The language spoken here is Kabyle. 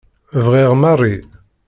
Bɣiɣ Mary.